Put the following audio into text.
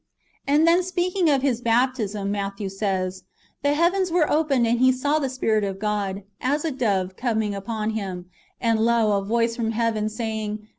And then, [speaking of His] baptism, Matthew says, " The heavens were opened, and He saw the Spirit of God, as a dove, coming upon Him : and lo a voice from heaven, say ing.